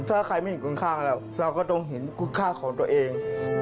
ถ้าใครไม่เห็นคุณค่าแล้วเราก็ต้องเห็นคุณค่าของตัวเอง